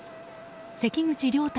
関口了太